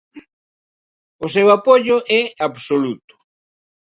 O seu apoio é absoluto.